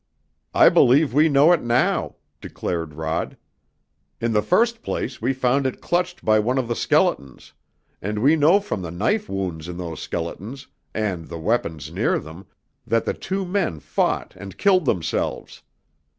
"I believe we know it now," declared Rod. "In the first place, we found it clutched by one of the skeletons, and we know from the knife wounds in those skeletons, and the weapons near them, that the two men fought and killed themselves.